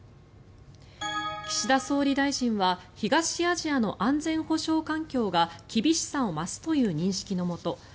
岸田総理大臣は東アジアの安全保障環境が厳しさを増すという認識のもと